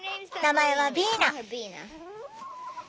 名前はビーナ。